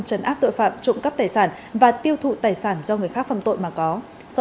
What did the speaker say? chấn áp tội phạm trụ cấp tài sản và tiêu thụ tài sản do người khác phâm tội mà có